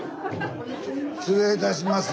失礼いたします。